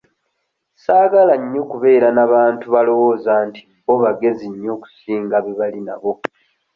Saagala nnyo kubeera na bantu balowooza nti bbo bagezi nnyo okusinga be bali nabo.